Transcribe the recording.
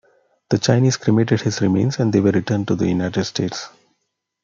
The Chinese cremated his remains and they were returned to the United States.